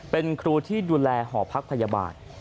เป็นครูที่ดูแลหอพักพยาบาล